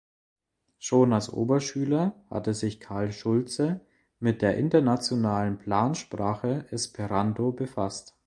Schon als Oberschüler hatte sich Karl Schulze mit der internationalen Plansprache Esperanto befasst.